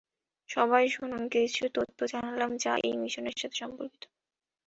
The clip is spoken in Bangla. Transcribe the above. সবাই শুনুন, কিছু তথ্য জানলাম যা এই মিশনের সাথে সম্পর্কিত।